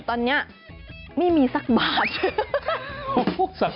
ตอนเนี้ยไม่มี๑บาท